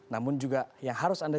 namun juga yang harus anda